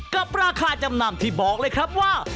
กับราคาจำนำที่บอกเลยครับว่า